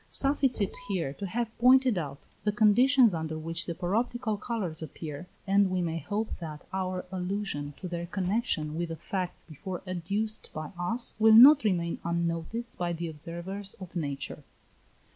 Suffice it here to have pointed out the conditions under which the paroptical colours appear, and we may hope that our allusion to their connexion with the facts before adduced by us will not remain unnoticed by the observers of nature.